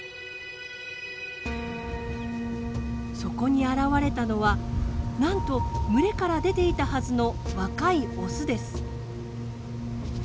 そこに現れたのはなんと群れから出ていたはずの若いオスです。